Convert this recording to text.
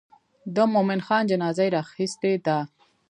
د مومن خان جنازه یې راخیستې ده.